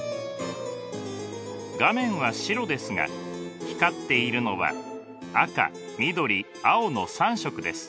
画面は白ですが光っているのは赤緑青の３色です。